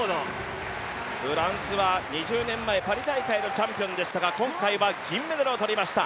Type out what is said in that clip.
フランスは２０年前、パリ大会のメダリストでしたが今回は銀メダルを取りました。